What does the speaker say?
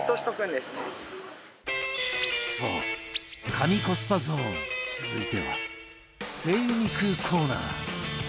そう神コスパゾーン続いては精肉コーナー